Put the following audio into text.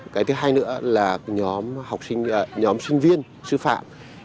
cái thứ hai nữa là nhóm sinh viên sư phạm